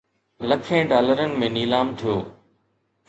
لکين ڊالرن ۾ نيلام ٿيو